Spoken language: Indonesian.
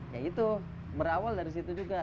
ya itu berawal dari situ juga